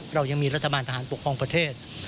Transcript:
เรายังมีรัฐบาลทหารปกครองประเทศ